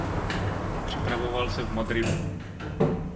Připravoval se v Madridu.